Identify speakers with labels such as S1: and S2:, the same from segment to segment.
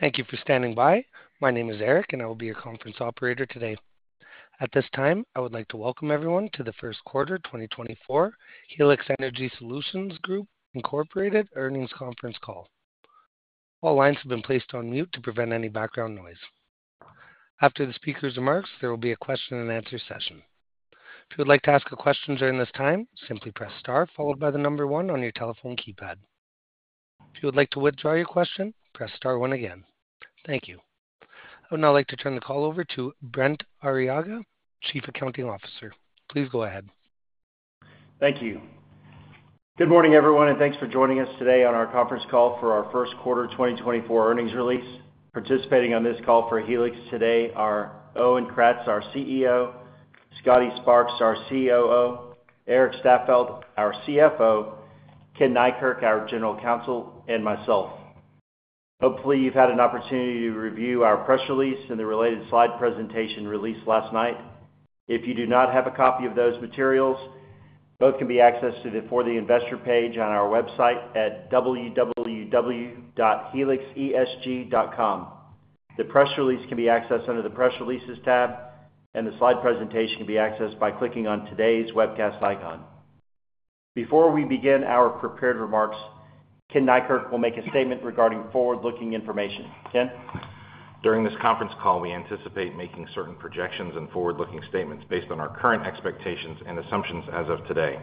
S1: Thank you for standing by. My name is Erik, and I will be your conference operator today. At this time, I would like to welcome everyone to the first quarter 2024 Helix Energy Solutions Group Incorporated Earnings Conference Call. All lines have been placed on mute to prevent any background noise. After the speaker's remarks, there will be a question and answer session. If you would like to ask a question during this time, simply press Star, followed by the number 1 on your telephone keypad. If you would like to withdraw your question, press Star 1 again. Thank you. I would now like to turn the call over to Brent Arriaga, Chief Accounting Officer. Please go ahead.
S2: Thank you. Good morning, everyone, and thanks for joining us today on our conference call for our first quarter 2024 earnings release. Participating on this call for Helix today are Owen Kratz, our CEO; Scotty Sparks, our COO; Erik Staffeldt, our CFO; Ken Neikirk, our General Counsel; and myself. Hopefully, you've had an opportunity to review our press release and the related slide presentation released last night. If you do not have a copy of those materials, both can be accessed to the For the Investor page on our website at www.helixesg.com. The press release can be accessed under the Press Releases tab, and the slide presentation can be accessed by clicking on today's webcast icon. Before we begin our prepared remarks, Ken Neikirk will make a statement regarding forward-looking information. Ken?
S3: During this conference call, we anticipate making certain projections and forward-looking statements based on our current expectations and assumptions as of today.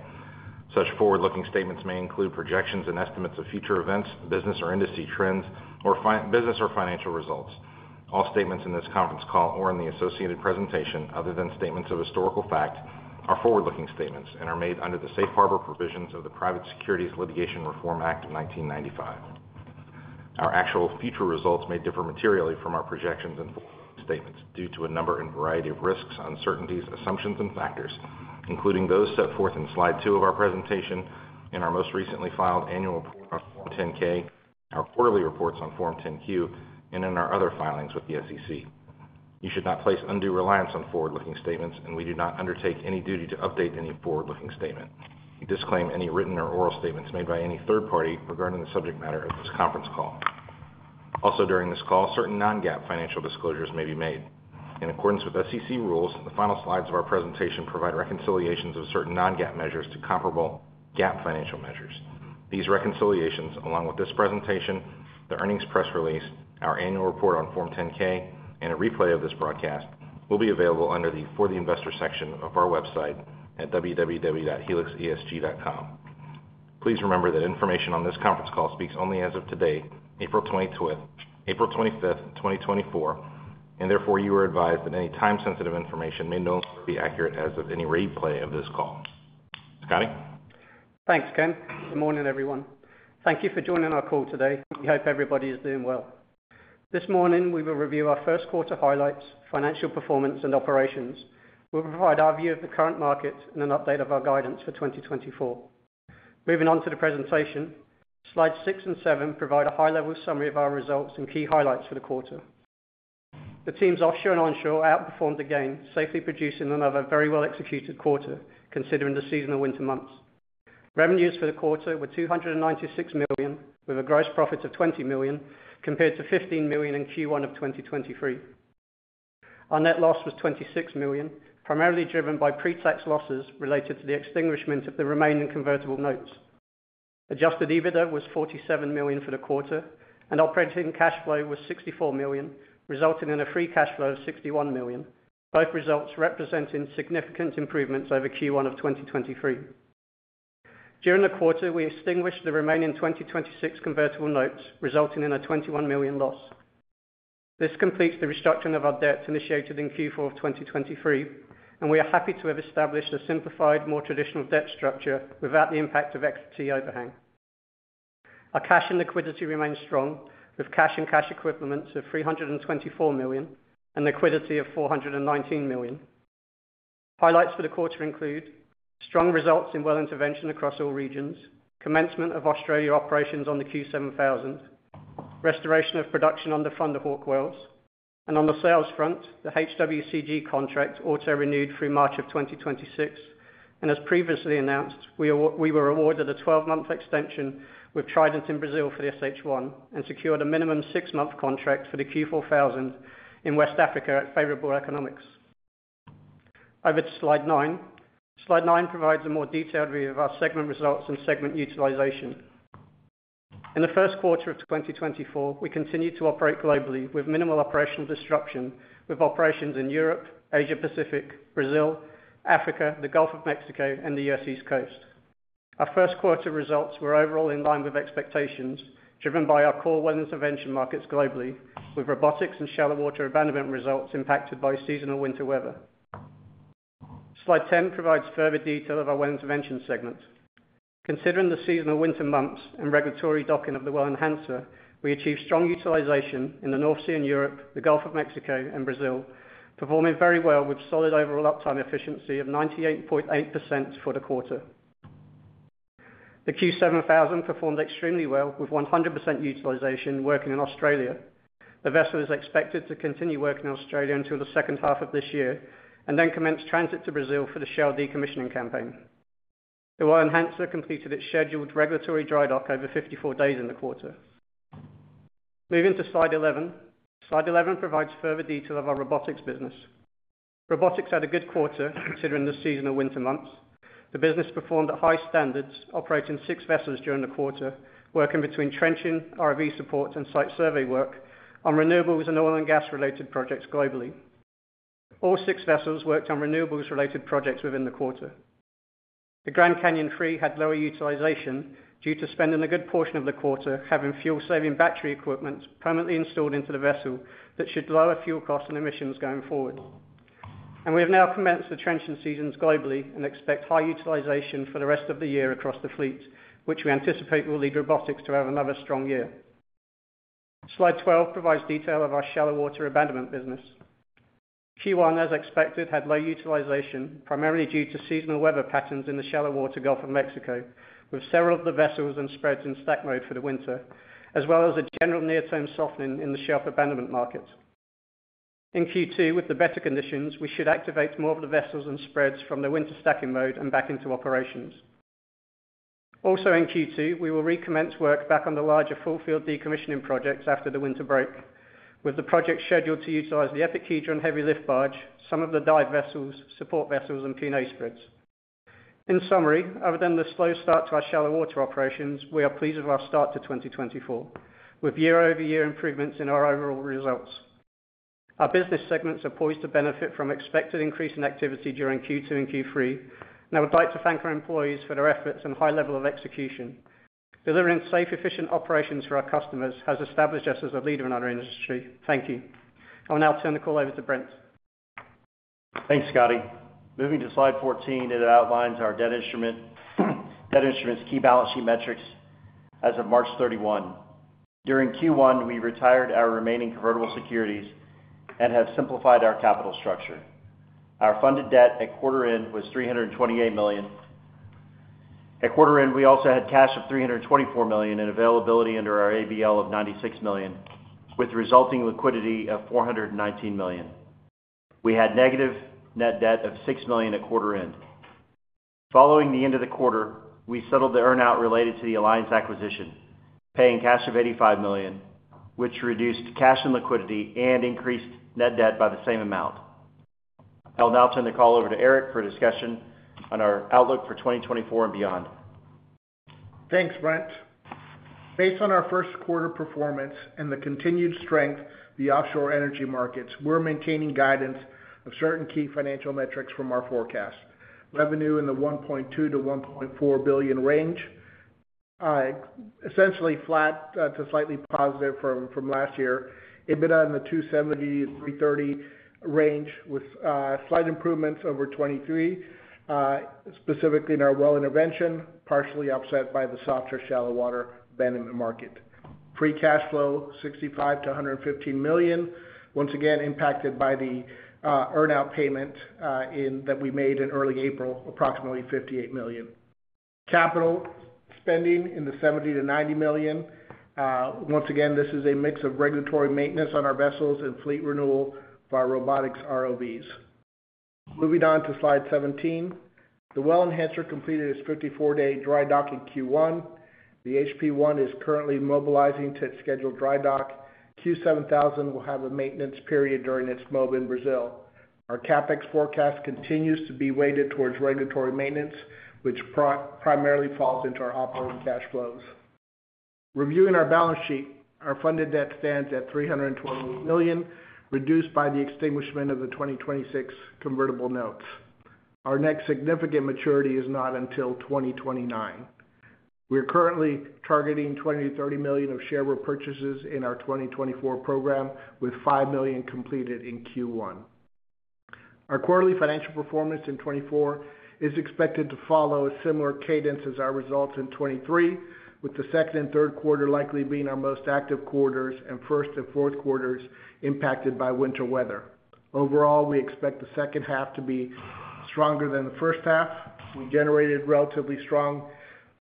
S3: Such forward-looking statements may include projections and estimates of future events, business or industry trends, or business or financial results. All statements in this conference call or in the associated presentation, other than statements of historical fact, are forward-looking statements and are made under the safe harbor provisions of the Private Securities Litigation Reform Act of 1995. Our actual future results may differ materially from our projections and forward-looking statements due to a number and variety of risks, uncertainties, assumptions, and factors, including those set forth in slide 2 of our presentation in our most recently filed annual report on Form 10-K, our quarterly reports on Form 10-Q, and in our other filings with the SEC. You should not place undue reliance on forward-looking statements, and we do not undertake any duty to update any forward-looking statement. We disclaim any written or oral statements made by any third party regarding the subject matter of this conference call. Also, during this call, certain non-GAAP financial disclosures may be made. In accordance with SEC rules, the final slides of our presentation provide reconciliations of certain non-GAAP measures to comparable GAAP financial measures. These reconciliations, along with this presentation, the earnings press release, our annual report on Form 10-K, and a replay of this broadcast, will be available under the For the Investor section of our website at www.helixesg.com. Please remember that information on this conference call speaks only as of today, April 25, 2024, and therefore you are advised that any time-sensitive information may no longer be accurate as of any replay of this call. Scotty?
S4: Thanks, Ken. Good morning, everyone. Thank you for joining our call today. We hope everybody is doing well. This morning, we will review our first quarter highlights, financial performance, and operations. We'll provide our view of the current market and an update of our guidance for 2024. Moving on to the presentation, slide 6 and 7 provide a high-level summary of our results and key highlights for the quarter. The teams offshore and onshore outperformed again, safely producing another very well-executed quarter, considering the seasonal winter months. Revenues for the quarter were $296 million, with a gross profit of $20 million, compared to $15 million in Q1 of 2023. Our net loss was $26 million, primarily driven by pretax losses related to the extinguishment of the remaining convertible notes. Adjusted EBITDA was $47 million for the quarter, and operating cash flow was $64 million, resulting in a free cash flow of $61 million. Both results representing significant improvements over Q1 of 2023. During the quarter, we extinguished the remaining 2026 convertible notes, resulting in a $21 million loss. This completes the restructuring of our debts initiated in Q4 of 2023, and we are happy to have established a simplified, more traditional debt structure without the impact of equity overhang. Our cash and liquidity remains strong, with cash and cash equivalents of $324 million and liquidity of $419 million. Highlights for the quarter include strong results in well intervention across all regions, commencement of Australia operations on the Q7000, restoration of production on the Thunder Hawk wells, and on the sales front, the HWCG contract auto-renewed through March of 2026, and as previously announced, we were awarded a 12-month extension with Trident in Brazil for the SH-1, and secured a minimum 6-month contract for the Q4000 in West Africa at favorable economics. Over to Slide 9. Slide 9 provides a more detailed view of our segment results and segment utilization. In the first quarter of 2024, we continued to operate globally with minimal operational disruption, with operations in Europe, Asia Pacific, Brazil, Africa, the Gulf of Mexico, and the US East Coast. Our first quarter results were overall in line with expectations, driven by our core well intervention markets globally, with robotics and shallow water abandonment results impacted by seasonal winter weather. Slide 10 provides further detail of our well intervention segment. Considering the seasonal winter months and regulatory docking of the Well Enhancer, we achieved strong utilization in the North Sea and Europe, the Gulf of Mexico and Brazil, performing very well with solid overall uptime efficiency of 98.8% for the quarter. The Q7000 performed extremely well, with 100% utilization working in Australia. The vessel is expected to continue working in Australia until the second half of this year, and then commence transit to Brazil for the Shell decommissioning campaign.... The Well Enhancer completed its scheduled regulatory dry dock over 54 days in the quarter. Moving to Slide 11. Slide 11 provides further detail of our robotics business. Robotics had a good quarter, considering the seasonal winter months. The business performed at high standards, operating 6 vessels during the quarter, working between trenching, ROV support, and site survey work on renewables and oil and gas-related projects globally. All 6 vessels worked on renewables-related projects within the quarter. The Grand Canyon III had lower utilization due to spending a good portion of the quarter having fuel-saving battery equipment permanently installed into the vessel that should lower fuel costs and emissions going forward. We have now commenced the trenching seasons globally and expect high utilization for the rest of the year across the fleet, which we anticipate will lead robotics to have another strong year. Slide 12 provides detail of our shallow water abandonment business. Q1, as expected, had low utilization, primarily due to seasonal weather patterns in the shallow water Gulf of Mexico, with several of the vessels and spreads in stack mode for the winter, as well as a general near-term softening in the shelf abandonment market. In Q2, with the better conditions, we should activate more of the vessels and spreads from the winter stacking mode and back into operations. Also in Q2, we will recommence work back on the larger full field decommissioning projects after the winter break, with the project scheduled to utilize the EPIC Hedron heavy lift barge, some of the dive vessels, support vessels, and P&A spreads. In summary, other than the slow start to our shallow water operations, we are pleased with our start to 2024, with year-over-year improvements in our overall results. Our business segments are poised to benefit from expected increase in activity during Q2 and Q3, and I would like to thank our employees for their efforts and high level of execution. Delivering safe, efficient operations for our customers has established us as a leader in our industry. Thank you. I'll now turn the call over to Brent.
S2: Thanks, Scotty. Moving to Slide 14, it outlines our debt instrument, debt instrument's key balance sheet metrics as of March 31. During Q1, we retired our remaining convertible securities and have simplified our capital structure. Our funded debt at quarter end was $328 million. At quarter end, we also had cash of $324 million in availability under our ABL of $96 million, with resulting liquidity of $419 million. We had negative net debt of $6 million at quarter end. Following the end of the quarter, we settled the earn-out related to the Alliance acquisition, paying cash of $85 million, which reduced cash and liquidity and increased net debt by the same amount. I'll now turn the call over to Erik for a discussion on our outlook for 2024 and beyond.
S5: Thanks, Brent. Based on our first quarter performance and the continued strength of the offshore energy markets, we're maintaining guidance of certain key financial metrics from our forecast. Revenue in the $1.2 billion-$1.4 billion range, essentially flat to slightly positive from last year. EBITDA in the $270 million-$330 million range, with slight improvements over 2023, specifically in our well intervention, partially offset by the softer shallow water than in the market. Free cash flow, $65 million-$115 million, once again, impacted by the earn-out payment that we made in early April, approximately $58 million. Capital spending in the $70 million-$90 million. Once again, this is a mix of regulatory maintenance on our vessels and fleet renewal of our robotics ROVs. Moving on to Slide 17. The Well Enhancer completed its 54-day dry dock in Q1. The HP-1 is currently mobilizing to its scheduled dry dock. Q7000 will have a maintenance period during its mob in Brazil. Our CapEx forecast continues to be weighted towards regulatory maintenance, which primarily falls into our operating cash flows. Reviewing our balance sheet, our funded debt stands at $320 million, reduced by the extinguishment of the 2026 convertible notes. Our next significant maturity is not until 2029. We are currently targeting $20 million-$30 million of share repurchases in our 2024 program, with $5 million completed in Q1. Our quarterly financial performance in 2024 is expected to follow a similar cadence as our results in 2023, with the second and third quarter likely being our most active quarters, and first and fourth quarters impacted by winter weather. Overall, we expect the second half to be stronger than the first half. We generated relatively strong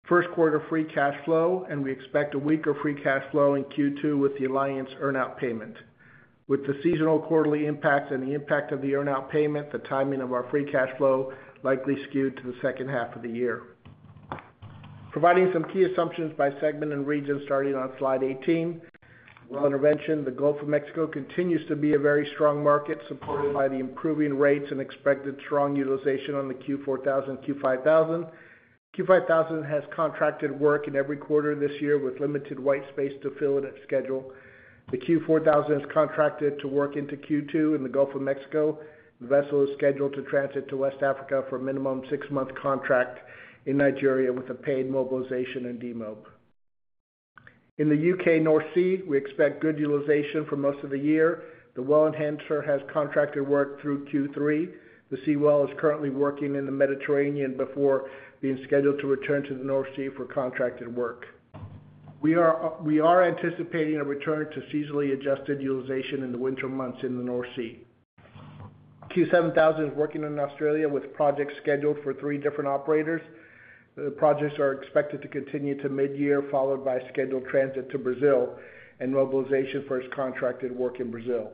S5: first quarter free cash flow, and we expect a weaker free cash flow in Q2 with the Alliance earn out payment. With the seasonal quarterly impact and the impact of the earn out payment, the timing of our free cash flow likely skewed to the second half of the year. Providing some key assumptions by segment and region, starting on Slide 18. Well Intervention, the Gulf of Mexico continues to be a very strong market, supported by the improving rates and expected strong utilization on the Q4000 and Q5000. Q5000 has contracted work in every quarter this year, with limited white space to fill in its schedule. The Q4000 is contracted to work into Q2 in the Gulf of Mexico. The vessel is scheduled to transit to West Africa for a minimum 6-month contract in Nigeria, with a paid mobilization and demob. In the UK North Sea, we expect good utilization for most of the year. The Well Enhancer has contracted work through Q3. The Seawell is currently working in the Mediterranean before being scheduled to return to the North Sea for contracted work. We are, we are anticipating a return to seasonally adjusted utilization in the winter months in the North Sea. Q7000 is working in Australia with projects scheduled for 3 different operators. The projects are expected to continue to mid-year, followed by a scheduled transit to Brazil and mobilization for its contracted work in Brazil.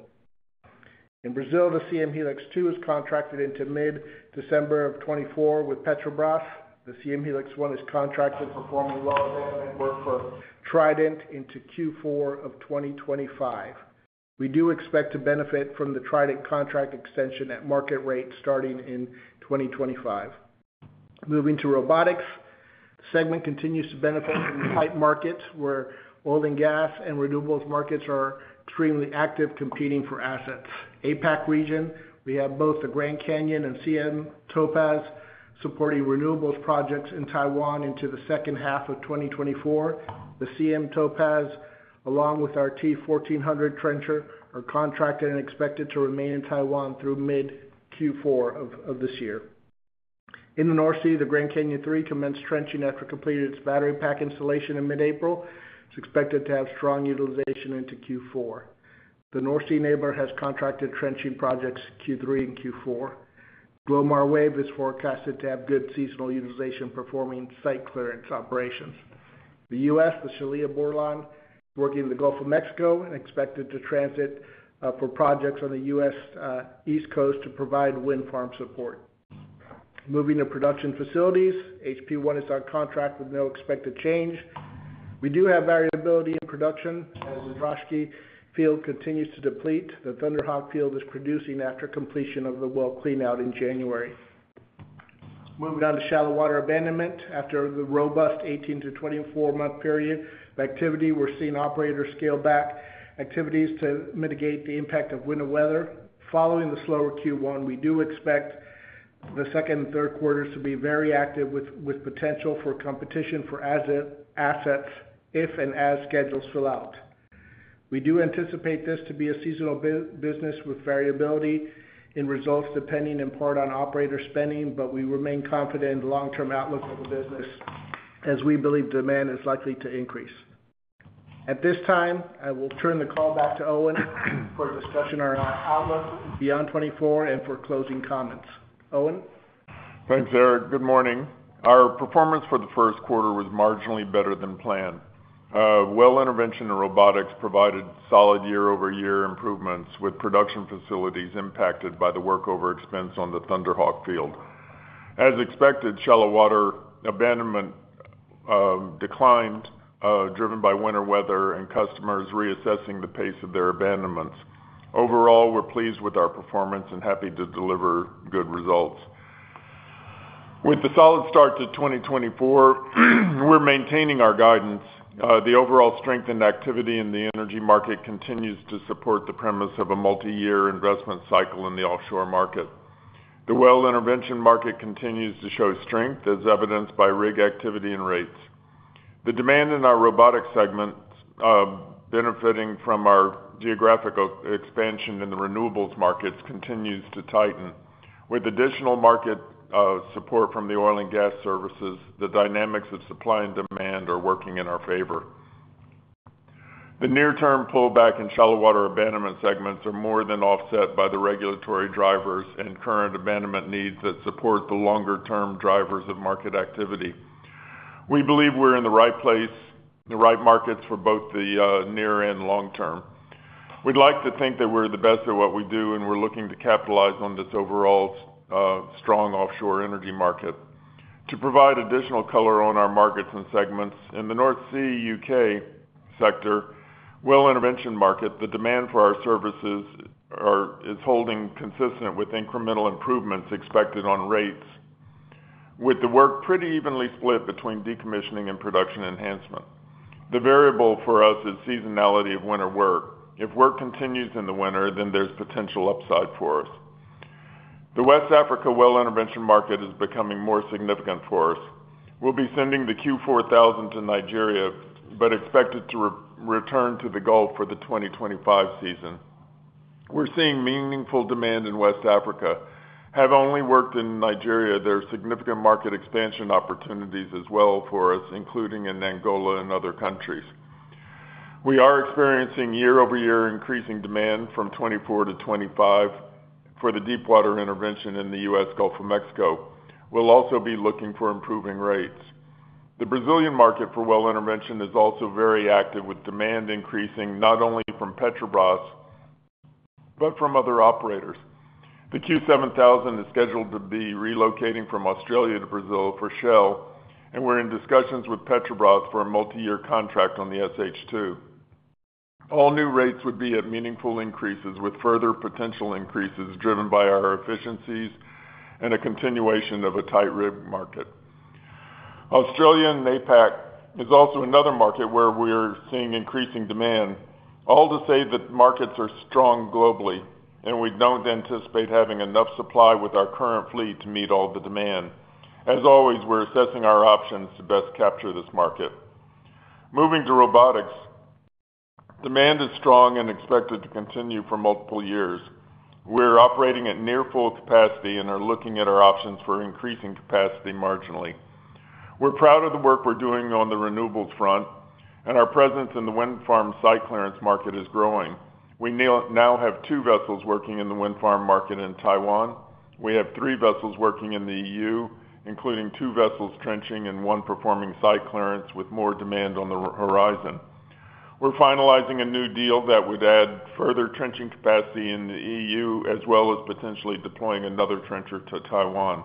S5: In Brazil, the Siem Helix 2 is contracted into mid-December 2024 with Petrobras. The Siem Helix 1 is contracted, performing well and work for Trident into Q4 of 2025. We do expect to benefit from the Trident contract extension at market rate, starting in 2025. Moving to robotics segment continues to benefit from the tight market, where oil and gas and renewables markets are extremely active, competing for assets. APAC region, we have both the Grand Canyon and Siem Topaz supporting renewables projects in Taiwan into the second half of 2024. The Siem Topaz, along with our T1400 trencher, are contracted and expected to remain in Taiwan through mid-Q4 of this year. In the North Sea, the Grand Canyon III commenced trenching after completing its battery pack installation in mid-April. It's expected to have strong utilization into Q4. The North Sea Enabler has contracted trenching projects Q3 and Q4. Glomar Wave is forecasted to have good seasonal utilization, performing site clearance operations. The U.S., the Shelia Bordelon, working in the Gulf of Mexico and expected to transit for projects on the U.S. East Coast to provide wind farm support. Moving to production facilities, HP-1 is our contract with no expected change. We do have variability in production as the Droshky field continues to deplete. The Thunder Hawk field is producing after completion of the well cleanout in January. Moving on to shallow water abandonment. After the robust 18-24-month period of activity, we're seeing operators scale back activities to mitigate the impact of winter weather. Following the slower Q1, we do expect the second and third quarters to be very active, with potential for competition for assets, if and as schedules fill out. We do anticipate this to be a seasonal business, with variability in results, depending in part on operator spending, but we remain confident in the long-term outlook of the business, as we believe demand is likely to increase. At this time, I will turn the call back to Owen for discussion on our outlook beyond 2024 and for closing comments. Owen?
S6: Thanks, Erik. Good morning. Our performance for the first quarter was marginally better than planned. Well intervention and robotics provided solid year-over-year improvements, with production facilities impacted by the workover expense on the Thunder Hawk field. As expected, shallow water abandonment declined, driven by winter weather and customers reassessing the pace of their abandonments. Overall, we're pleased with our performance and happy to deliver good results. With the solid start to 2024, we're maintaining our guidance. The overall strength and activity in the energy market continues to support the premise of a multiyear investment cycle in the offshore market. The well intervention market continues to show strength, as evidenced by rig activity and rates. The demand in our robotics segment, benefiting from our geographical expansion in the renewables markets, continues to tighten. With additional market support from the oil and gas services, the dynamics of supply and demand are working in our favor. The near-term pullback in shallow water abandonment segments are more than offset by the regulatory drivers and current abandonment needs that support the longer-term drivers of market activity. We believe we're in the right place, the right markets for both the near and long term. We'd like to think that we're the best at what we do, and we're looking to capitalize on this overall strong offshore energy market. To provide additional color on our markets and segments, in the North Sea UK sector well intervention market, the demand for our services is holding consistent with incremental improvements expected on rates, with the work pretty evenly split between decommissioning and production enhancement. The variable for us is seasonality of winter work. If work continues in the winter, then there's potential upside for us. The West Africa well intervention market is becoming more significant for us. We'll be sending the Q4000 to Nigeria, but expect it to return to the Gulf for the 2025 season. We're seeing meaningful demand in West Africa. We've only worked in Nigeria, there are significant market expansion opportunities as well for us, including in Angola and other countries. We are experiencing year-over-year increasing demand from 2024 to 2025 for the deepwater intervention in the US Gulf of Mexico. We'll also be looking for improving rates. The Brazilian market for well intervention is also very active, with demand increasing not only from Petrobras, but from other operators. The Q7000 is scheduled to be relocating from Australia to Brazil for Shell, and we're in discussions with Petrobras for a multi-year contract on the SH2. All new rates would be at meaningful increases, with further potential increases driven by our efficiencies and a continuation of a tight rig market. Australia and APAC is also another market where we're seeing increasing demand. All to say that markets are strong globally, and we don't anticipate having enough supply with our current fleet to meet all the demand. As always, we're assessing our options to best capture this market. Moving to robotics, demand is strong and expected to continue for multiple years. We're operating at near full capacity and are looking at our options for increasing capacity marginally. We're proud of the work we're doing on the renewables front, and our presence in the wind farm site clearance market is growing. We now have two vessels working in the wind farm market in Taiwan. We have three vessels working in the EU, including two vessels trenching and one performing site clearance with more demand on the horizon. We're finalizing a new deal that would add further trenching capacity in the EU, as well as potentially deploying another trencher to Taiwan.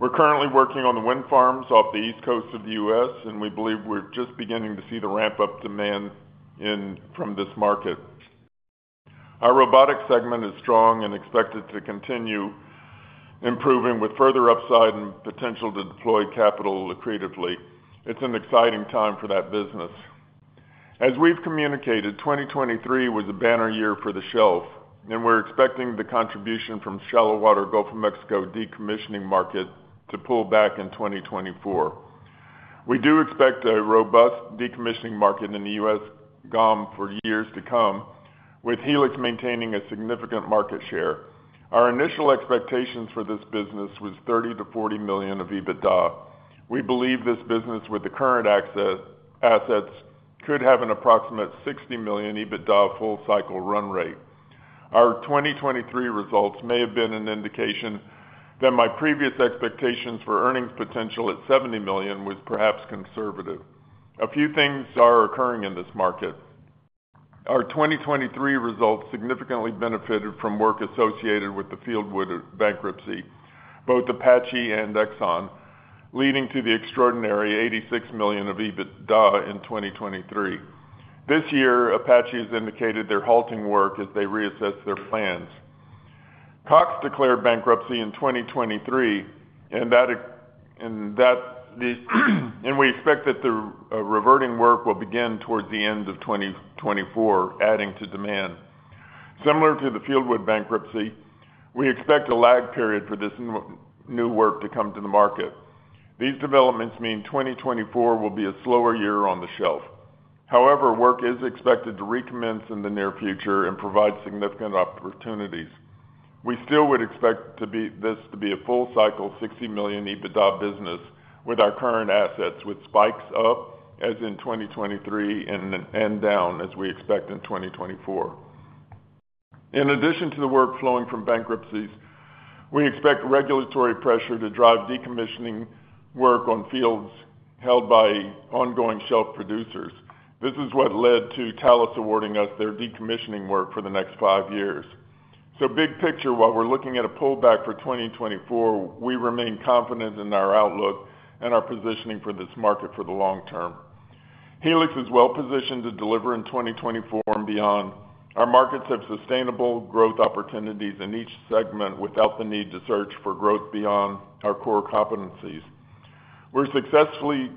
S6: We're currently working on the wind farms off the East Coast of the US, and we believe we're just beginning to see the ramp-up demand in—from this market. Our robotic segment is strong and expected to continue improving with further upside and potential to deploy capital accretively. It's an exciting time for that business. As we've communicated, 2023 was a banner year for the shelf, and we're expecting the contribution from shallow water Gulf of Mexico decommissioning market to pull back in 2024. We do expect a robust decommissioning market in the U.S. GOM for years to come, with Helix maintaining a significant market share. Our initial expectations for this business was $30 million-$40 million of EBITDA. We believe this business, with the current assets, could have an approximate $60 million EBITDA full cycle run rate. Our 2023 results may have been an indication that my previous expectations for earnings potential at $70 million was perhaps conservative. A few things are occurring in this market. Our 2023 results significantly benefited from work associated with the Fieldwood bankruptcy, both Apache and Exxon, leading to the extraordinary $86 million of EBITDA in 2023. This year, Apache has indicated they're halting work as they reassess their plans. Cox declared bankruptcy in 2023, and we expect that the reverting work will begin towards the end of 2024, adding to demand. Similar to the Fieldwood bankruptcy, we expect a lag period for this new work to come to the market. These developments mean 2024 will be a slower year on the shelf. However, work is expected to recommence in the near future and provide significant opportunities. We still would expect this to be a full cycle, $60 million EBITDA business with our current assets, with spikes up, as in 2023, and down, as we expect in 2024. In addition to the work flowing from bankruptcies, we expect regulatory pressure to drive decommissioning work on fields held by ongoing shelf producers. This is what led to Talos awarding us their decommissioning work for the next 5 years. So big picture, while we're looking at a pullback for 2024, we remain confident in our outlook and our positioning for this market for the long term. Helix is well positioned to deliver in 2024 and beyond. Our markets have sustainable growth opportunities in each segment without the need to search for growth beyond our core competencies. We've successfully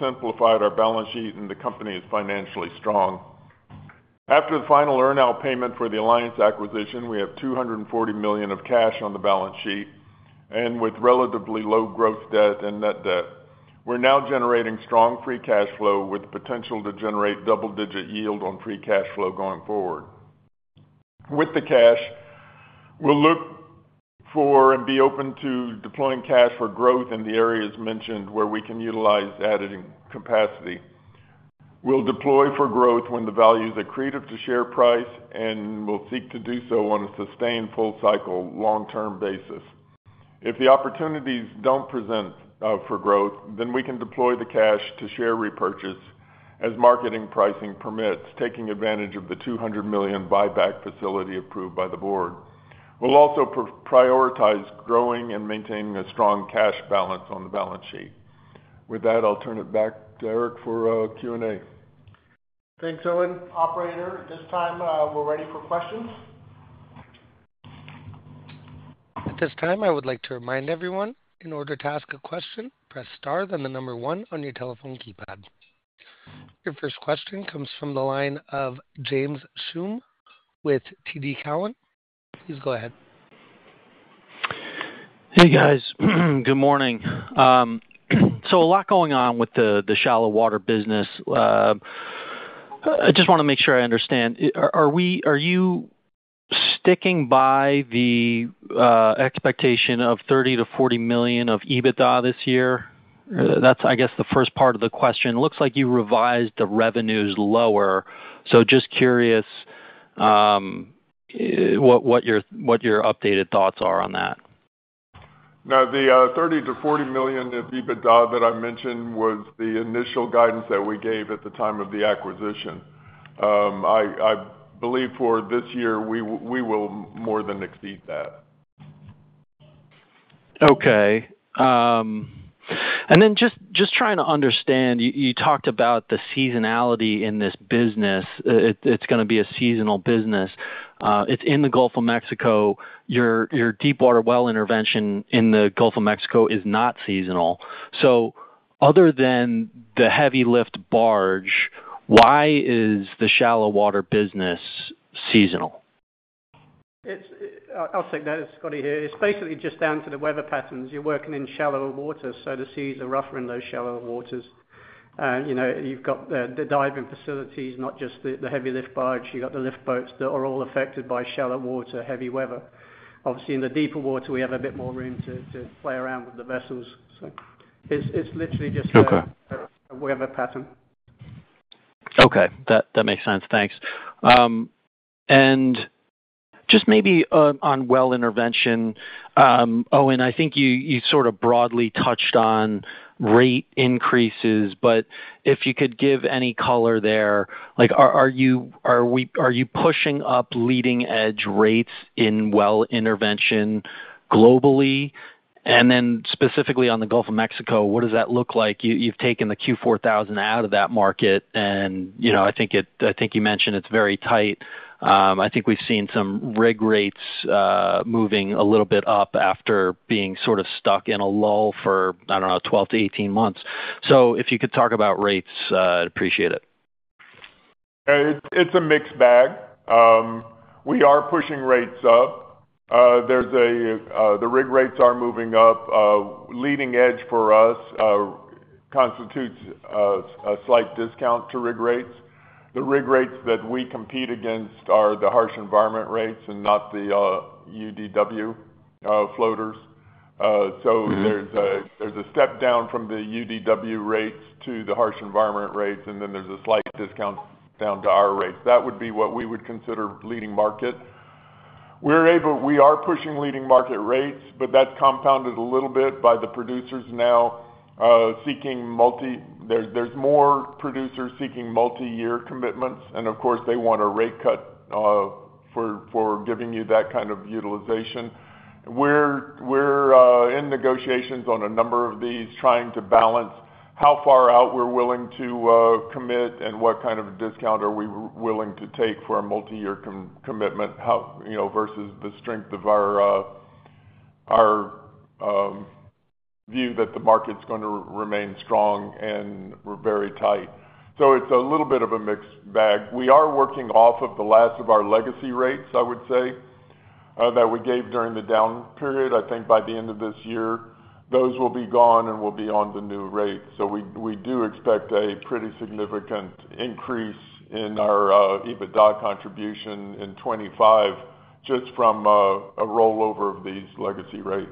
S6: simplified our balance sheet, and the company is financially strong. After the final earn-out payment for the Alliance acquisition, we have $240 million of cash on the balance sheet, and with relatively low gross debt and net debt. We're now generating strong free cash flow, with potential to generate double-digit yield on free cash flow going forward. With the cash, we'll look for and be open to deploying cash for growth in the areas mentioned where we can utilize added capacity. We'll deploy for growth when the value is accretive to share price, and we'll seek to do so on a sustained, full cycle, long-term basis. If the opportunities don't present for growth, then we can deploy the cash to share repurchase as market pricing permits, taking advantage of the $200 million buyback facility approved by the board. We'll also prioritize growing and maintaining a strong cash balance on the balance sheet. With that, I'll turn it back to Erik for Q&A.
S5: Thanks, Owen. Operator, at this time, we're ready for questions.
S1: At this time, I would like to remind everyone, in order to ask a question, press star, then 1 on your telephone keypad. Your first question comes from the line of James Schumm with TD Cowen. Please go ahead.
S7: Hey, guys. Good morning. So a lot going on with the shallow water business. I just wanna make sure I understand. Are you sticking by the expectation of $30 million-$40 million of EBITDA this year? That's, I guess, the first part of the question. Looks like you revised the revenues lower, so just curious, what your updated thoughts are on that.
S6: No, the $30-$40 million of EBITDA that I mentioned was the initial guidance that we gave at the time of the acquisition. I believe for this year, we will more than exceed that.
S7: Okay, and then just trying to understand, you talked about the seasonality in this business. It's gonna be a seasonal business. It's in the Gulf of Mexico. Your deepwater well intervention in the Gulf of Mexico is not seasonal. So other than the heavy lift barge, why is the shallow water business seasonal?
S4: It's. I'll take that. It's Scotty here. It's basically just down to the weather patterns. You're working in shallow water, so the seas are rougher in those shallow waters. You know, you've got the diving facilities, not just the heavy lift barge. You've got the lift boats that are all affected by shallow water, heavy weather. Obviously, in the deeper water, we have a bit more room to play around with the vessels. So it's literally just the-
S7: Okay
S4: the weather pattern.
S7: Okay, that makes sense. Thanks. And just maybe on well intervention, Owen, I think you sort of broadly touched on rate increases, but if you could give any color there, like, are you pushing up leading edge rates in well intervention globally? And then specifically on the Gulf of Mexico, what does that look like? You've taken the Q4000 out of that market, and, you know, I think you mentioned it's very tight. I think we've seen some rig rates moving a little bit up after being sort of stuck in a lull for, I don't know, 12-18 months. So if you could talk about rates, I'd appreciate it.
S6: It's a mixed bag. We are pushing rates up. The rig rates are moving up. Leading edge for us constitutes a slight discount to rig rates. The rig rates that we compete against are the harsh environment rates and not the UDW floaters. So-
S7: Mm-hmm.
S6: There's a step down from the UDW rates to the harsh environment rates, and then there's a slight discount down to our rates. That would be what we would consider leading market. We are pushing leading market rates, but that's compounded a little bit by the producers now seeking multi-year commitments. There are more producers seeking multi-year commitments, and of course they want a rate cut for giving you that kind of utilization. We are in negotiations on a number of these, trying to balance how far out we're willing to commit, and what kind of a discount are we willing to take for a multi-year commitment, you know, versus the strength of our view that the market's gonna remain strong and very tight. So it's a little bit of a mixed bag. We are working off of the last of our legacy rates, I would say, that we gave during the down period. I think by the end of this year, those will be gone, and we'll be on the new rate. So we do expect a pretty significant increase in our, EBITDA contribution in 2025, just from, a rollover of these legacy rates.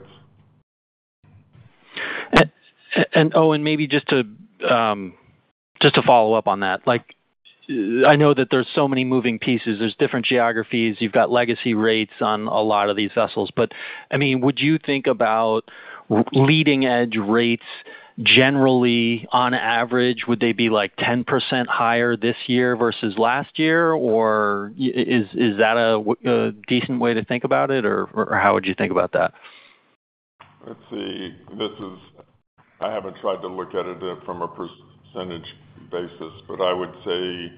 S7: And, Owen, maybe just to follow up on that, like, I know that there's so many moving pieces, there's different geographies. You've got legacy rates on a lot of these vessels, but, I mean, would you think about leading edge rates, generally, on average, would they be, like, 10% higher this year versus last year? Or is, is that a decent way to think about it, or, or how would you think about that?
S6: Let's see. I haven't tried to look at it from a percentage basis, but I would say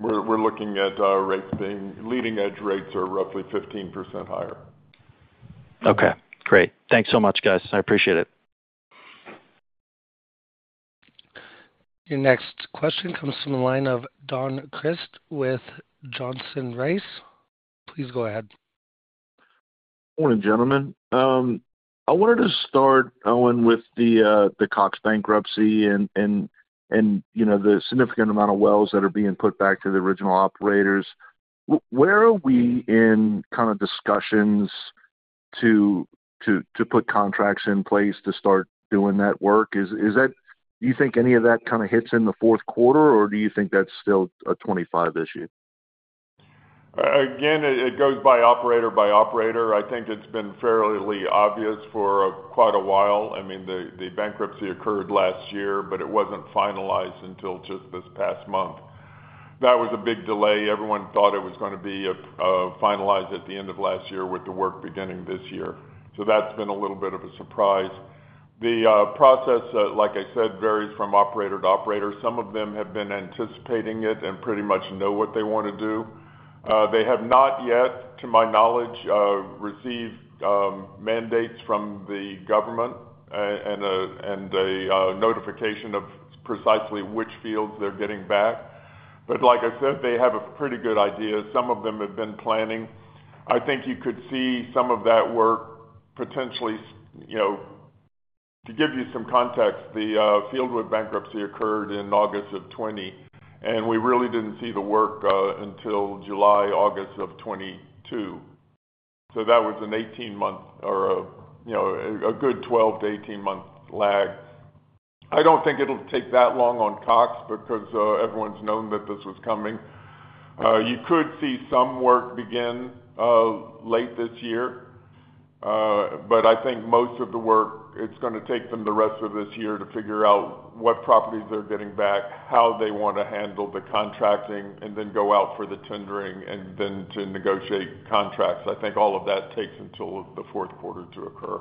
S6: we're looking at our rates being leading edge rates are roughly 15% higher.
S7: Okay, great. Thanks so much, guys. I appreciate it.
S1: Your next question comes from the line of Don Crist with Johnson Rice. Please go ahead.
S8: Morning, gentlemen. I wanted to start, Owen, with the Cox bankruptcy and, you know, the significant amount of wells that are being put back to the original operators. Where are we in kind of discussions to put contracts in place to start doing that work? Is that, do you think any of that kind of hits in the fourth quarter, or do you think that's still a 2025 issue?
S6: Again, it goes by operator, by operator. I think it's been fairly obvious for quite a while. I mean, the bankruptcy occurred last year, but it wasn't finalized until just this past month. That was a big delay. Everyone thought it was gonna be finalized at the end of last year, with the work beginning this year. So that's been a little bit of a surprise. The process, like I said, varies from operator to operator. Some of them have been anticipating it and pretty much know what they want to do. They have not yet, to my knowledge, received mandates from the government and a notification of precisely which fields they're getting back. But like I said, they have a pretty good idea. Some of them have been planning. I think you could see some of that work potentially, you know. To give you some context, the Fieldwood bankruptcy occurred in August of 2020, and we really didn't see the work until July, August of 2022. So that was an 18-month, or, you know, a good 12- to 18-month lag. I don't think it'll take that long on Cox because everyone's known that this was coming. You could see some work begin late this year, but I think most of the work, it's gonna take them the rest of this year to figure out what properties they're getting back, how they want to handle the contracting, and then go out for the tendering and then to negotiate contracts. I think all of that takes until the fourth quarter to occur.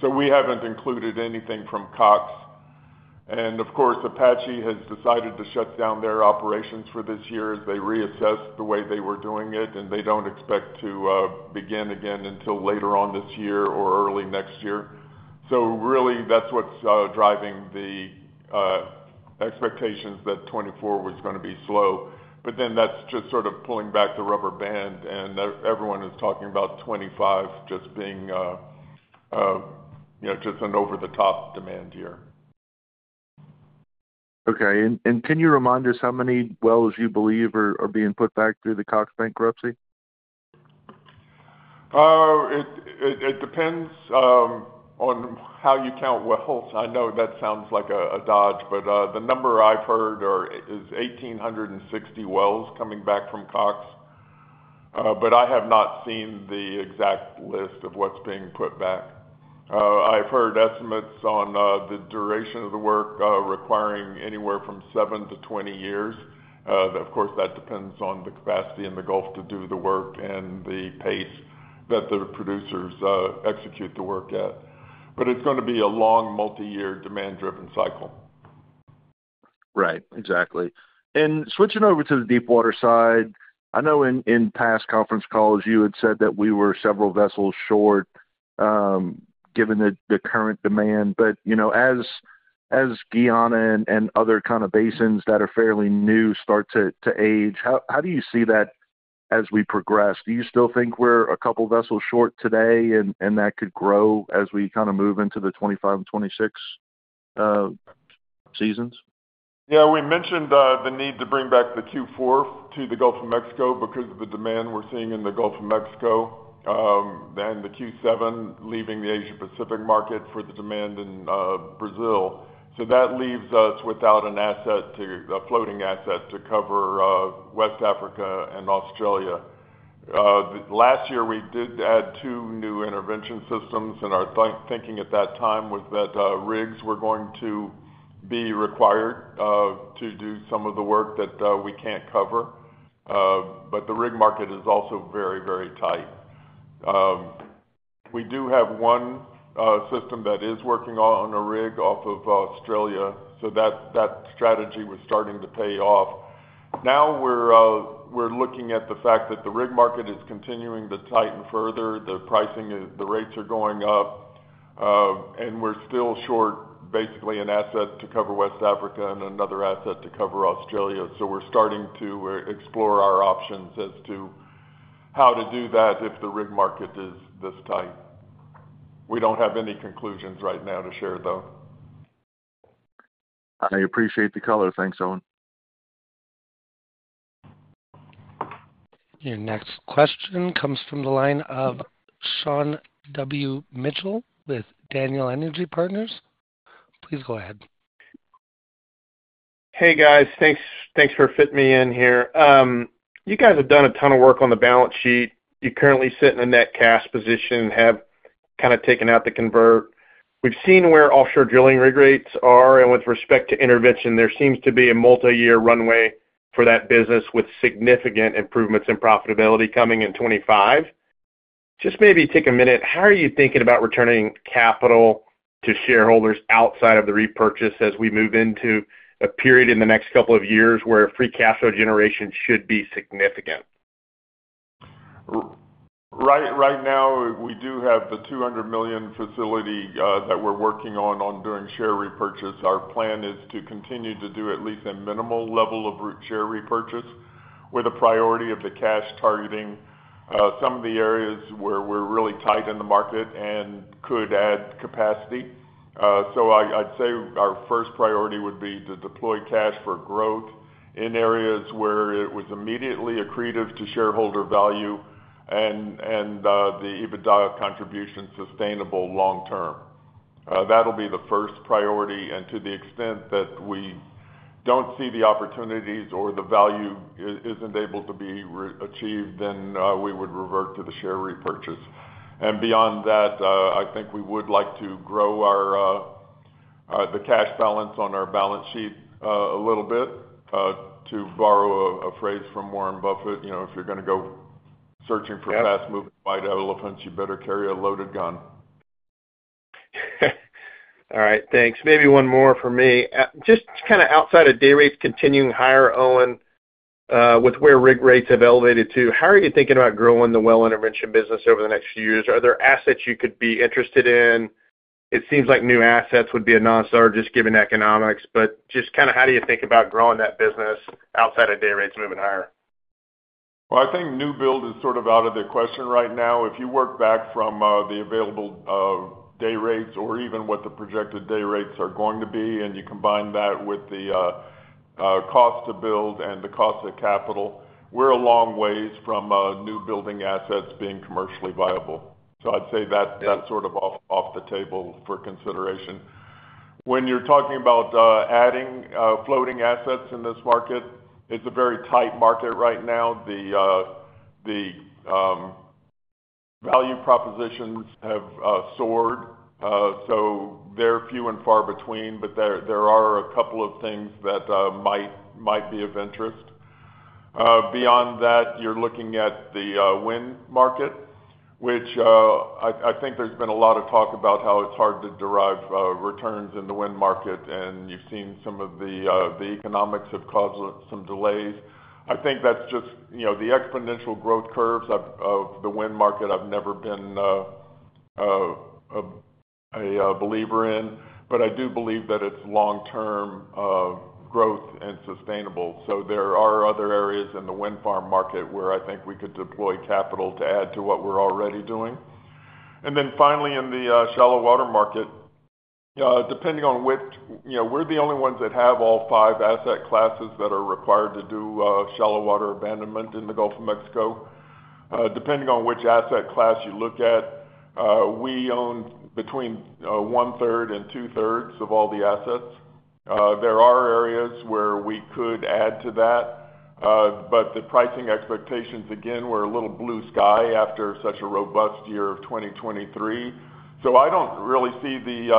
S6: So we haven't included anything from Cox, and of course, Apache has decided to shut down their operations for this year as they reassess the way they were doing it, and they don't expect to begin again until later on this year or early next year. So really, that's what's driving the expectations that 2024 was gonna be slow, but then that's just sort of pulling back the rubber band, and everyone is talking about 2025 just being, you know, just an over-the-top demand year.
S8: Okay. Can you remind us how many wells you believe are being put back through the Cox bankruptcy?
S6: It depends on how you count wells. I know that sounds like a dodge, but the number I've heard is 1,860 wells coming back from Cox. But I have not seen the exact list of what's being put back. I've heard estimates on the duration of the work, requiring anywhere from 7-20 years. Of course, that depends on the capacity in the Gulf to do the work and the pace that the producers execute the work at. But it's gonna be a long, multi-year, demand-driven cycle.
S8: Right. Exactly. And switching over to the deepwater side, I know in past conference calls, you had said that we were several vessels short, given the current demand. But, you know, as Guyana and other kind of basins that are fairly new start to age, how do you see that as we progress? Do you still think we're a couple vessels short today, and that could grow as we kind of move into the 2025 and 2026 seasons?
S6: Yeah, we mentioned the need to bring back the Q4000 to the Gulf of Mexico because of the demand we're seeing in the Gulf of Mexico, and the Q7000 leaving the Asia Pacific market for the demand in Brazil. So that leaves us without a floating asset to cover West Africa and Australia. Last year, we did add two new intervention systems, and our thinking at that time was that rigs were going to be required to do some of the work that we can't cover. But the rig market is also very, very tight. We do have one system that is working on a rig off of Australia, so that strategy was starting to pay off. Now we're looking at the fact that the rig market is continuing to tighten further. The pricing is, the rates are going up, and we're still short, basically, an asset to cover West Africa and another asset to cover Australia. So we're starting to explore our options as to how to do that if the rig market is this tight. We don't have any conclusions right now to share, though.
S8: I appreciate the color. Thanks, Owen.
S1: Your next question comes from the line of Sean W. Mitchell with Daniel Energy Partners. Please go ahead.
S9: Hey, guys, thanks, thanks for fitting me in here. You guys have done a ton of work on the balance sheet. You currently sit in a net cash position and have kind of taken out the convert. We've seen where offshore drilling rig rates are, and with respect to intervention, there seems to be a multi-year runway for that business, with significant improvements in profitability coming in 2025. Just maybe take a minute, how are you thinking about returning capital to shareholders outside of the repurchase as we move into a period in the next couple of years where free cash flow generation should be significant?
S6: Right, right now, we do have the $200 million facility that we're working on, on doing share repurchase. Our plan is to continue to do at least a minimal level of share repurchase, with a priority of the cash targeting some of the areas where we're really tight in the market and could add capacity. So I, I'd say our first priority would be to deploy cash for growth in areas where it was immediately accretive to shareholder value and, and, the EBITDA contribution sustainable long term. That'll be the first priority, and to the extent that we don't see the opportunities or the value isn't able to be achieved, then, we would revert to the share repurchase. Beyond that, I think we would like to grow our, the cash balance on our balance sheet, a little bit. To borrow a phrase from Warren Buffett, you know, "If you're gonna go searching for fast-moving white elephants, you better carry a loaded gun.
S9: All right, thanks. Maybe one more for me. Just kind of outside of dayrates continuing higher, Owen, with where rig rates have elevated to, how are you thinking about growing the well intervention business over the next few years? Are there assets you could be interested in? It seems like new assets would be a non-starter, just given economics, but just kind of how do you think about growing that business outside of dayrates moving higher?
S6: Well, I think new build is sort of out of the question right now. If you work back from the available day rates or even what the projected day rates are going to be, and you combine that with the cost to build and the cost of capital, we're a long ways from new building assets being commercially viable. So I'd say that's-
S9: Yeah
S6: that's sort of off the table for consideration. When you're talking about adding floating assets in this market, it's a very tight market right now. The value propositions have soared, so they're few and far between, but there are a couple of things that might be of interest. Beyond that, you're looking at the wind market, which I think there's been a lot of talk about how it's hard to derive returns in the wind market, and you've seen some of the economics have caused some delays. I think that's just, you know, the exponential growth curves of the wind market, I've never been a believer in, but I do believe that it's long-term growth and sustainable. So there are other areas in the wind farm market where I think we could deploy capital to add to what we're already doing. And then finally, in the shallow water market, depending on which, you know, we're the only ones that have all five asset classes that are required to do shallow water abandonment in the Gulf of Mexico. Depending on which asset class you look at, we own between one third and two thirds of all the assets. There are areas where we could add to that, but the pricing expectations, again, were a little blue sky after such a robust year of 2023. So I don't really see the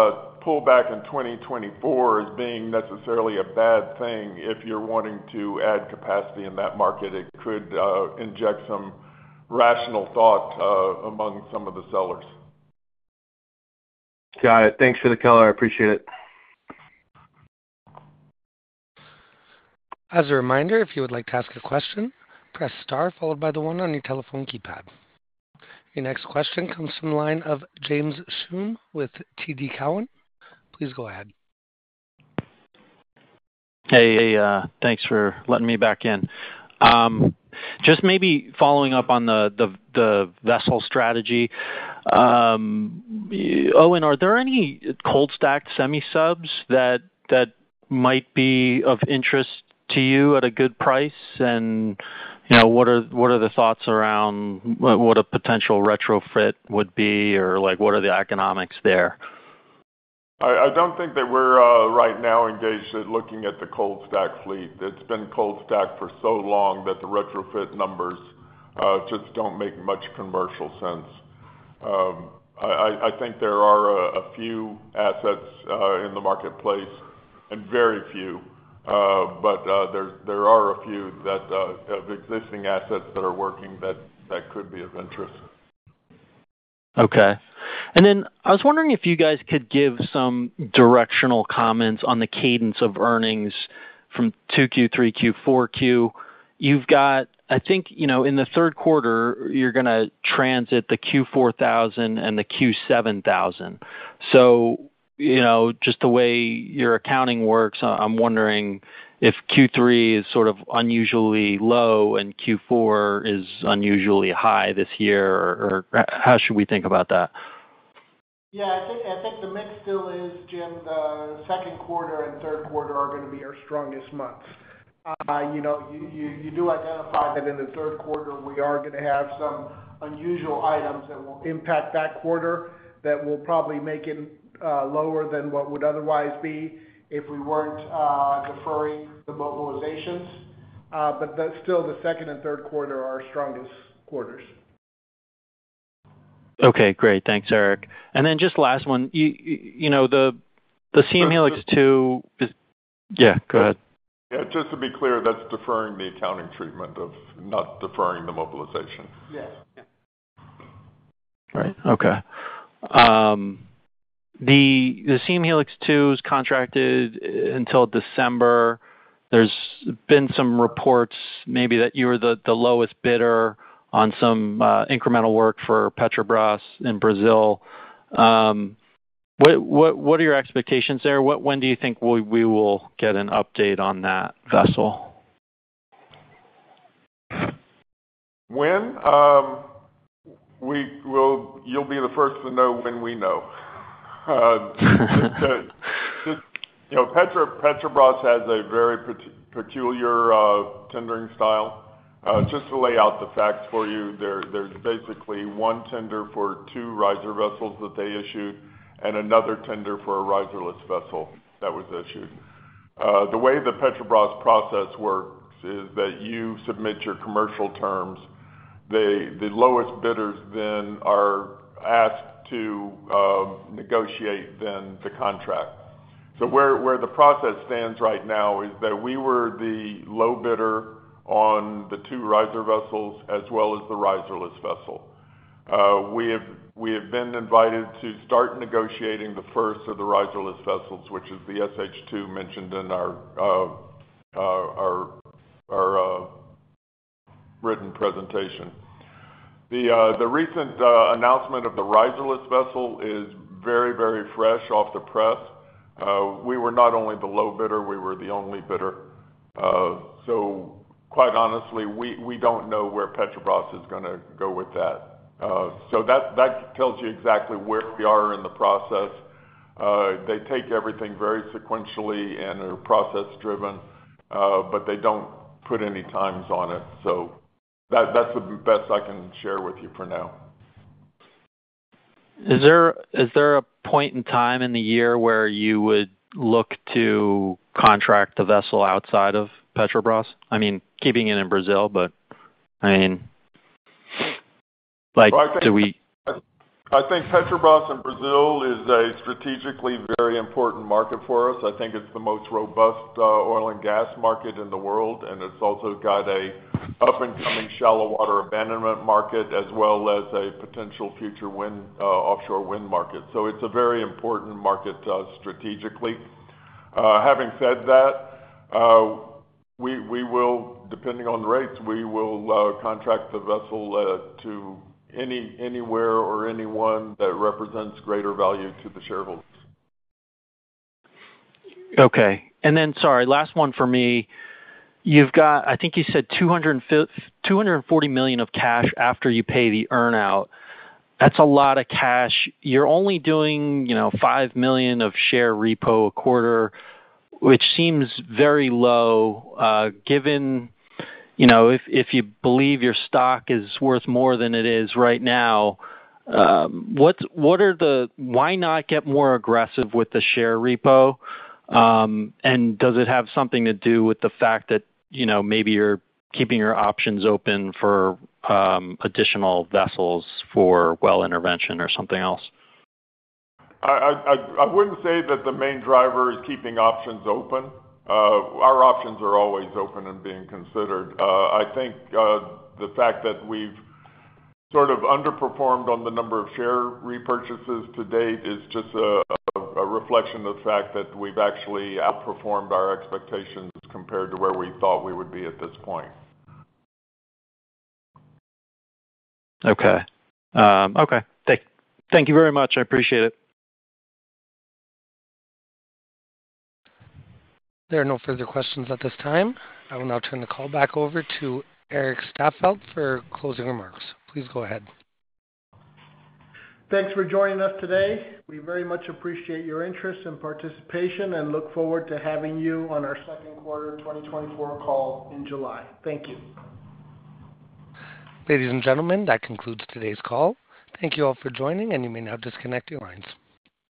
S6: pullback in 2024 as being necessarily a bad thing if you're wanting to add capacity in that market. It could inject some rational thought among some of the sellers.
S5: Got it. Thanks for the color. I appreciate it.
S1: As a reminder, if you would like to ask a question, press star followed by the one on your telephone keypad. Your next question comes from the line of James Schumm with TD Cowen. Please go ahead.
S7: Hey, thanks for letting me back in. Just maybe following up on the vessel strategy. Owen, are there any cold stacked semi-subs that might be of interest to you at a good price? And, you know, what are the thoughts around what a potential retrofit would be, or like, what are the economics there?
S6: I don't think that we're right now engaged in looking at the cold stacked fleet. It's been cold stacked for so long that the retrofit numbers just don't make much commercial sense. I think there are a few assets in the marketplace, and very few, but there are a few that have existing assets that are working that could be of interest.
S7: Okay. And then I was wondering if you guys could give some directional comments on the cadence of earnings from 2Q, 3Q, 4Q. You've got, I think, you know, in the third quarter, you're gonna transit the Q4000 and the Q7000. So, you know, just the way your accounting works, I, I'm wondering if Q3 is sort of unusually low and Q4 is unusually high this year, or how should we think about that?
S5: Yeah, I think, I think the mix still is, Jim, second quarter and third quarter are gonna be our strongest months. You know, you do identify that in the third quarter, we are gonna have some unusual items that will impact that quarter, that will probably make it lower than what would otherwise be if we weren't deferring the mobilizations. But that's still the second and third quarter are our strongest quarters.
S7: Okay, great. Thanks, Erik. And then just last one. You know, the Siem Helix 2 is—yeah, go ahead.
S6: Yeah, just to be clear, that's deferring the accounting treatment of not deferring the mobilization.
S5: Yes. Yeah.
S7: Right. Okay. The Siem Helix 2 is contracted until December. There's been some reports maybe that you were the lowest bidder on some incremental work for Petrobras in Brazil. What are your expectations there? When do you think we will get an update on that vessel?
S6: When? You'll be the first to know when we know. The you know, Petrobras has a very peculiar tendering style. Just to lay out the facts for you, there's basically one tender for two riser vessels that they issued and another tender for a riserless vessel that was issued. The way the Petrobras process works is that you submit your commercial terms, the lowest bidders then are asked to negotiate then the contract. So where the process stands right now is that we were the low bidder on the two riser vessels as well as the riserless vessel. We have been invited to start negotiating the first of the riserless vessels, which is the SH2 mentioned in our written presentation. The recent announcement of the riserless vessel is very, very fresh off the press. We were not only the low bidder, we were the only bidder. So quite honestly, we, we don't know where Petrobras is gonna go with that. So that, that tells you exactly where we are in the process. They take everything very sequentially and are process driven, but they don't put any times on it. So that's the best I can share with you for now.
S7: Is there, is there a point in time in the year where you would look to contract the vessel outside of Petrobras? I mean, keeping it in Brazil, but I mean, like, do we-
S6: I think Petrobras in Brazil is a strategically very important market for us. I think it's the most robust oil and gas market in the world, and it's also got a up-and-coming shallow water abandonment market, as well as a potential future offshore wind market. So it's a very important market strategically. Having said that, we will, depending on the rates, contract the vessel to anywhere or anyone that represents greater value to the shareholders.
S7: Okay. And then, sorry, last one for me. You've got, I think you said $240 million of cash after you pay the earn-out. That's a lot of cash. You're only doing, you know, $5 million of share repo a quarter, which seems very low, given, you know, if, if you believe your stock is worth more than it is right now, what's, what are the... Why not get more aggressive with the share repo? And does it have something to do with the fact that, you know, maybe you're keeping your options open for, additional vessels for well intervention or something else?
S6: I wouldn't say that the main driver is keeping options open. Our options are always open and being considered. I think the fact that we've sort of underperformed on the number of share repurchases to date is just a reflection of the fact that we've actually outperformed our expectations compared to where we thought we would be at this point.
S7: Okay. Okay. Thank you very much. I appreciate it.
S1: There are no further questions at this time. I will now turn the call back over to Erik Staffeldt for closing remarks. Please go ahead.
S5: Thanks for joining us today. We very much appreciate your interest and participation, and look forward to having you on our second quarter 2024 call in July. Thank you.
S1: Ladies and gentlemen, that concludes today's call. Thank you all for joining, and you may now disconnect your lines.